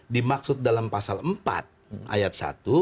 dimaksud dalam pasal empat ayat satu